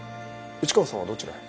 市川さんはどちらへ？